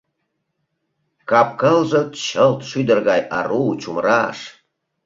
Кап-кылже чылт шӱдыр гай, ару, чумыраш!